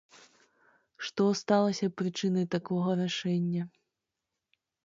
Што сталася прычынай такога рашэння?